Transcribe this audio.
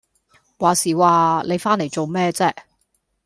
話時話你返嚟做咩啫？